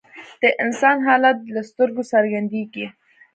د انسان حالت له سترګو څرګندیږي